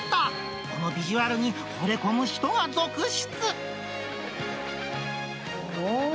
このビジュアルにほれ込む人が続出。